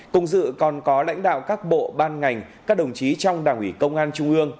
cùng dự còn có lãnh đạo các bộ ban ngành các đồng chí trong đảng ủy công an trung ương